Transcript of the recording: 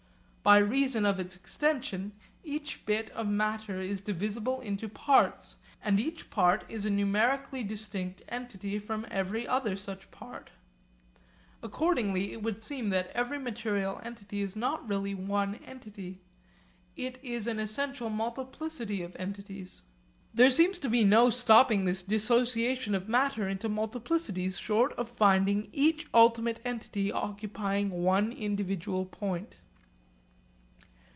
By reason of its extension each bit of matter is divisible into parts, and each part is a numerically distinct entity from every other such part. Accordingly it would seem that every material entity is not really one entity. It is an essential multiplicity of entities. There seems to be no stopping this dissociation of matter into multiplicities short of finding each ultimate entity occupying one individual point.